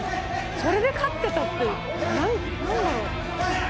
それで勝ってたって何だろう？」